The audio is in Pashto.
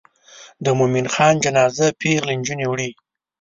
د مومن خان جنازه پیغلې نجونې وړي.